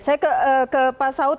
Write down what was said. saya ke pak saud